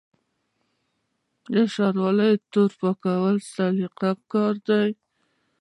د شاروالۍ تورې پاکول سلیقوي کار دی.